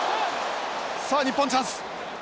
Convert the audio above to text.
さあ日本チャンス。